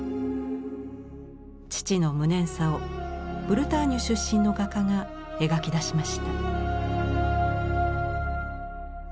父の無念さをブルターニュ出身の画家が描き出しました。